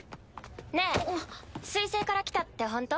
ねえ水星から来たってほんと？